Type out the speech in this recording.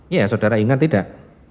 ya saudara ingat tidak